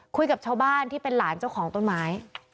คุยกับชาวบ้านที่เป็นหลานเจ้าของต้นไม้